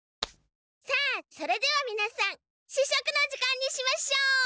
さあそれではみなさん試食の時間にしましょう！